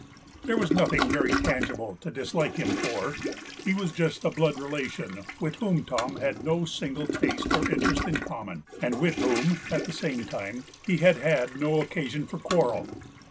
There was nothing very tangible to dislike him for; he was just a blood relation, with whom Tom had no single taste or interest in common, and with whom, at the same time, he had had no occasion for quarrel.